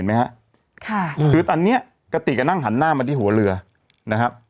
เห็นไหมฮะอยู่ตอนนี้กะติกก็หน้าหันหน้ามาที่หัวเรือนะครับ